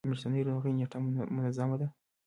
د میاشتنۍ ناروغۍ نیټه مو منظمه ده؟